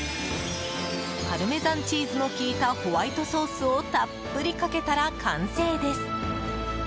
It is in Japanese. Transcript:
パルメザンチーズの効いたホワイトソースをたっぷりかけたら完成です。